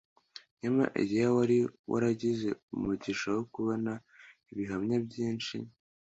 Nyama Eliya wari waragize umugisha wo kubona ibihamya byinshi